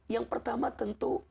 yang pertama tentu